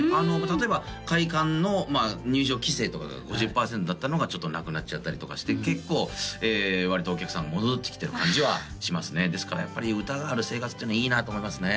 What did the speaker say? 例えば会館の入場規制とかが５０パーセントだったのがちょっとなくなっちゃったりとかして結構割とお客さん戻ってきてる感じはしますねですからやっぱり歌がある生活ってのはいいなと思いますね